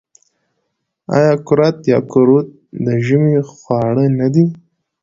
آیا کورت یا قروت د ژمي خواړه نه دي؟